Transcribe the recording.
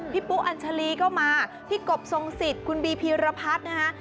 ปุ๊อัญชาลีก็มาพี่กบทรงสิทธิ์คุณบีพีรพัฒน์นะคะ